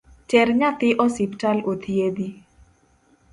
Ter nyathi osiptal othiedhi